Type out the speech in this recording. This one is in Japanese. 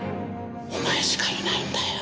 お前しかいないんだよ。